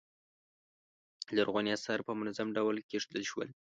لرغوني اثار په منظم ډول کیښودل شول.